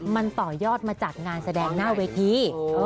มันต่อยอดมาจากงานแสดงหน้าเวที